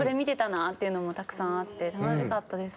っていうのもたくさんあって楽しかったです。